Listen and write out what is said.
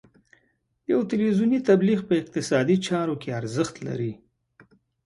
یو تلویزیوني تبلیغ په اقتصادي چارو کې ارزښت لري.